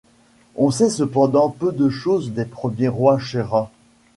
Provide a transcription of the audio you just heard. On sait cependant peu de choses des premiers rois Chera.